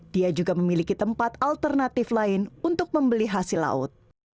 dia juga memiliki tempat alternatif lain untuk membeli hasil laut